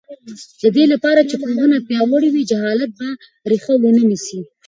د دې لپاره چې پوهنه پیاوړې وي، جهالت به ریښه ونه نیسي.